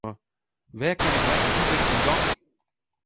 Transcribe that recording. Wêr kin ik lekker ite yn Dokkum?